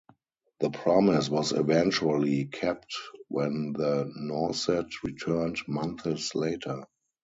The promise was eventually kept when the Nauset returned months later.